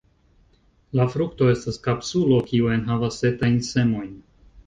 La frukto estas kapsulo kiu enhavas etajn semojn.